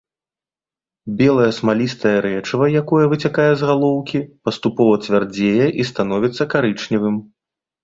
Белае смалістае рэчыва, якое выцякае з галоўкі, паступова цвярдзее і становіцца карычневым.